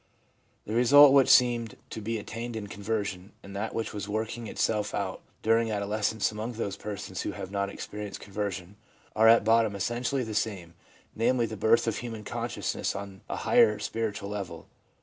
The result which seemed to be attained in conversion, and that which was working itself out during adolescence among those persons who have not experienced conversion are at bottom essentially the same, namely, the birth of human consciousness on a higher spiritual level.